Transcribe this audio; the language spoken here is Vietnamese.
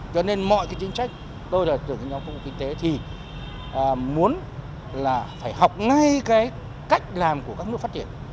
cho nên mọi cái chính trách tôi là trưởng hành nhóm công cụ kinh tế thì muốn là phải học ngay cái cách làm của các nước phát triển